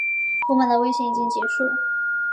罗马的危险已经结束。